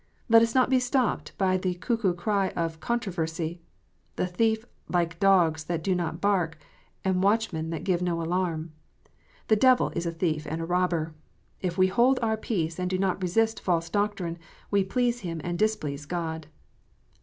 Let us not be stopped by the cuckoo cry of "controversy." The thief likes dogs that do not bark, and watchmen that give no alarm. The devil is a thief and a robber. If we hold our peace, and do not resist false doctrine, we please him and displease God.